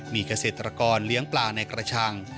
มีเกษตรกรเลี้ยงปลาในกระชัง